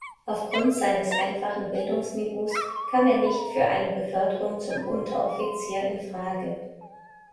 Aufgrund seines einfachen Bildungsniveaus kam er nicht für eine Beförderung zum Unteroffizier in Frage.